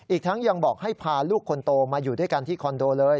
อีกทั้งยังบอกให้พาลูกคนโตมาอยู่ด้วยกันที่คอนโดเลย